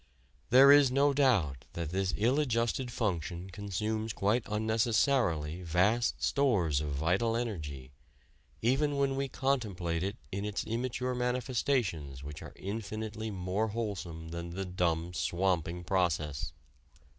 There is no doubt that this ill adjusted function consumes quite unnecessarily vast stores of vital energy, even when we contemplate it in its immature manifestations which are infinitely more wholesome than the dumb swamping process.